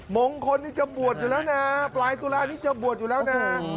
มงคลนี่จะบวชอยู่แล้วนะปลายตุลานี้จะบวชอยู่แล้วนะฮะ